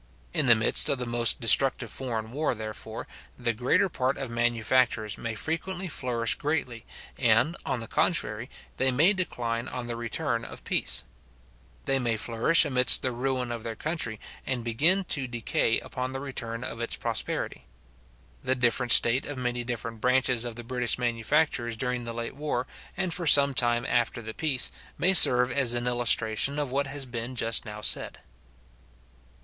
In the midst of the most destructive foreign war, therefore, the greater part of manufactures may frequently flourish greatly; and, on the contrary, they may decline on the return of peace. They may flourish amidst the ruin of their country, and begin to decay upon the return of its prosperity. The different state of many different branches of the British manufactures during the late war, and for some time after the peace, may serve as an illustration of what has been just now said.